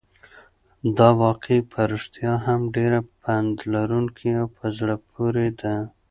دا واقعه په رښتیا هم ډېره پنده لرونکې او په زړه پورې ده.